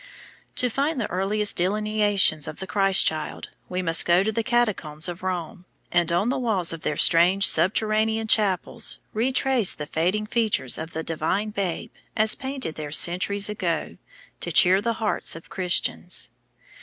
To find the earliest delineations of the Christ child we must go to the Catacombs of Rome, and on the walls of their strange subterranean chapels retrace the fading features of the Divine Babe as painted there centuries ago to cheer the hearts of Christians.